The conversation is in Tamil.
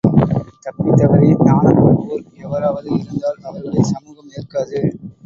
தப்பித்தவறி நாணப்படுவோர் எவராவது இருந்தால் அவர்களைச் சமூகம் ஏற்காது.